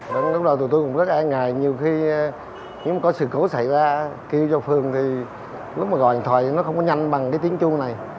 lúc đó tụi tôi cũng rất an ngại nhiều khi có sự cố xảy ra kêu cho phường thì lúc mà gọi điện thoại nó không nhanh bằng tiếng chuông này